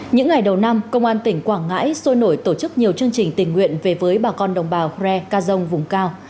những ngày đầu năm công an tỉnh quảng ngãi sôi nổi tổ chức nhiều chương trình tình nguyện về với bà con đồng bào khe ca dông vùng cao